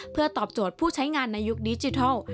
เพื่อตอบโจทย์ผู้ใช้งานในยุคดิจิทัล